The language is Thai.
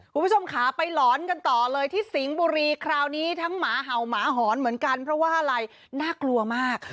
คุณผู้ชมขาไปหลอนกันต่อเลยที่สิงห์บุรีคราวนี้ทั้งหมาเห่าหมาหอนเหมือนกันเพราะว่าอะไรน่ากลัวมาก